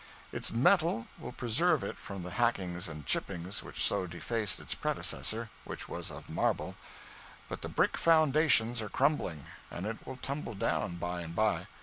Its metal will preserve it from the hackings and chippings which so defaced its predecessor, which was of marble; but the brick foundations are crumbling, and it will tumble down by and bye.